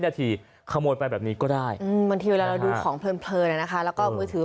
นาทีขโมยไปแบบนี้ก็ได้บางทีเวลาเราดูของเพลินแล้วก็มือถือ